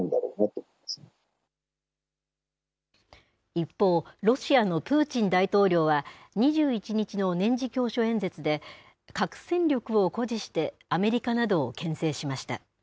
一方、ロシアのプーチン大統領は、２１日の年次教書演説で、核戦力を誇示して、アメリカなどをけん制しました。